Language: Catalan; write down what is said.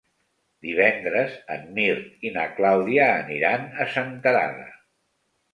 Divendres en Mirt i na Clàudia aniran a Senterada.